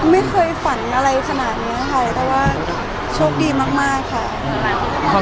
ไม่เคยฝันอะไรขนาดนี้นะครับแต่ว่าช่วงดีมากค่ะ